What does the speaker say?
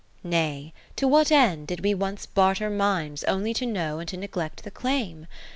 IV Nay, to what end did we once barter minds. Only to know and to neglect the claim